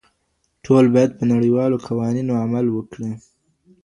ټول بايد په نړيوالو قوانينو عمل وکړي.